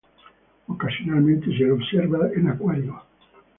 Ocasionalmente se lo observa en acuarios.